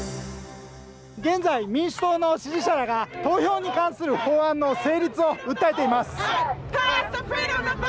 現在、民主党の支持者らが投票に関する法案の成立を訴えています。